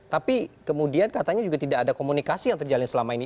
tapi kemudian katanya juga tidak ada komunikasi yang terjalin selama ini